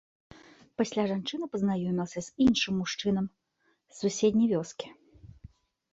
Пасля жанчына пазнаёмілася з іншым мужчынам з суседняй вёскі.